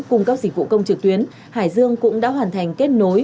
cung cấp dịch vụ công trực tuyến hải dương cũng đã hoàn thành kết nối